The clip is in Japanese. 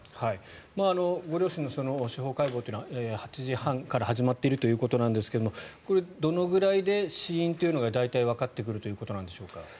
ご両親の司法解剖は８時半から始まっているということなんですがどのくらいで死因というのが大体わかってくるということなのでしょうか。